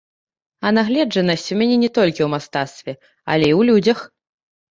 А нагледжанасць у мяне не толькі ў мастацтве, але і і ў людзях.